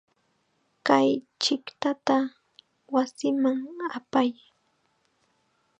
Kay chiqtata wasiman apay.